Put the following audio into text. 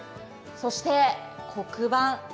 そして黒板。